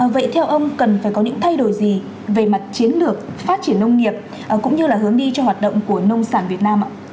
vậy theo ông cần phải có những thay đổi gì về mặt chiến lược phát triển nông nghiệp cũng như là hướng đi cho hoạt động của nông sản việt nam ạ